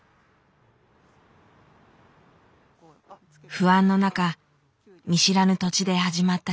不安の中見知らぬ土地で始まった新生活。